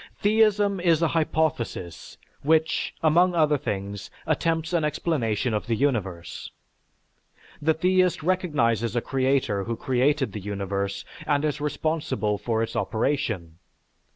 Theism is a hypothesis which, among other things, attempts an explanation of the universe. The theist recognizes a creator who created the universe and is responsible for its operation.